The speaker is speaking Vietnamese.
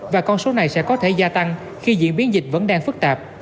và con số này sẽ có thể gia tăng khi diễn biến dịch vẫn đang phức tạp